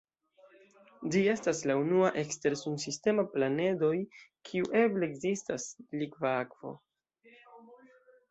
Ĝi estas la unua ekstersunsistema planedoj kiu eble ekzistas likva akvo.